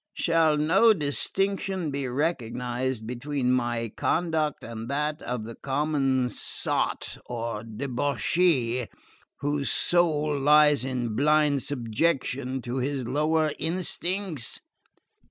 Shall no distinction be recognised between my conduct and that of the common sot or debauchee whose soul lies in blind subjection to his lower instincts?